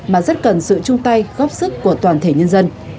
mà rất cần sự chung tay góp sức của toàn thể nhân dân